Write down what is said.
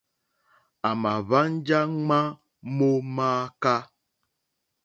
À mà hwánjá ŋmá mó mááká.